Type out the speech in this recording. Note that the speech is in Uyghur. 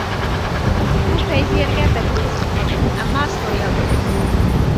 بۇ پەيزى يەرگە بەكلا قىزىقىپ قالدىم، ئەمما سورىيالمىدىم.